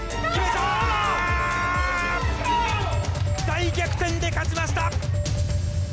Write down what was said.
大逆転で勝ちました！